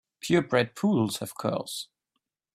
Pure bred poodles have curls.